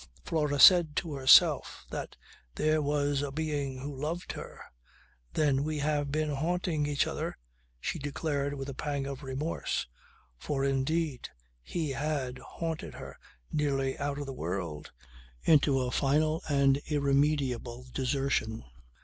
Flora said to herself that there was a being who loved her. "Then we have been haunting each other," she declared with a pang of remorse. For indeed he had haunted her nearly out of the world, into a final and irremediable desertion.